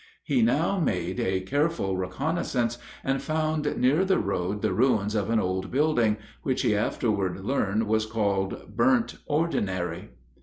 He now made a careful reconnoissance, and found near the road the ruins of an old building which, he afterward learned, was called "Burnt Ordinary."